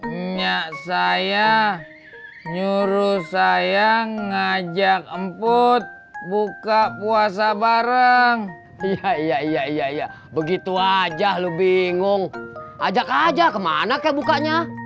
enggak saya nyuruh saya ngajak emput buka puasa bareng iya iya iya begitu aja lu bingung ajak aja kemana ke bukanya